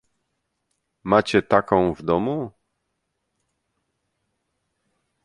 "Macie taką w domu?"